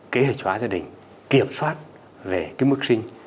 kế hệ tróa gia đình kiểm soát về mức sinh